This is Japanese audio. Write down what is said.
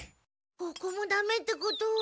ここもダメってことは。